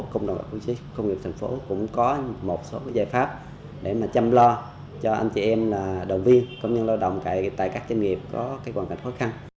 công nghiệp thành phố cũng có một số cái giải pháp để mà chăm lo cho anh chị em là đồng viên công nhân lao động tại các doanh nghiệp có cái hoàn cảnh khó khăn